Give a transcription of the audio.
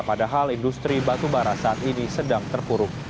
padahal industri batubara saat ini sedang terpuruk